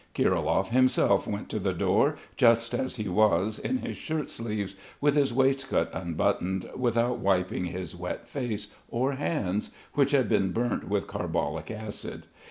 Kirilov himself went to the door, just as he was, in his shirt sleeves with his waistcoat unbuttoned, without wiping his wet face or hands, which had been burnt with carbolic acid.